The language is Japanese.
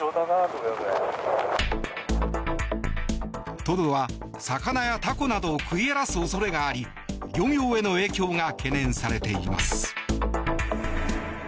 トドは魚やタコなどを食い荒らす恐れがあり漁業への影響が懸念されています。